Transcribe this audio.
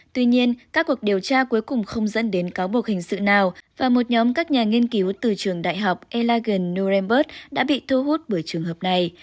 tuy nhiên các cuộc điều tra cuối cùng không dẫn đến cáo buộc hình sự nào và một nhóm các nhà nghiên cứu từ trường đại học elagan noremburg đã bị thu hút bởi trường hợp này